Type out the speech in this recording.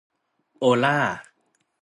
โอล่า